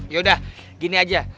yaudah gini aja